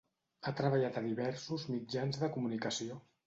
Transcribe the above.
Ha treballat a diversos mitjans de comunicació.